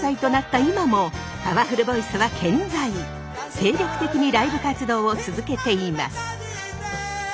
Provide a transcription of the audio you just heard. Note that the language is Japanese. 精力的にライブ活動を続けています。